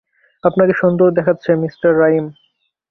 আপনাকে সুন্দর দেখাচ্ছে, মিঃ রাইম।